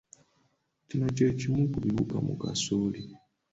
Kino kye kimu ku biwuka mu kasooli.